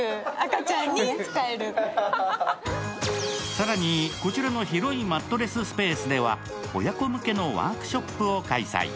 更にこちらの広いマットレススペースでは親子向けのワークショップを開催。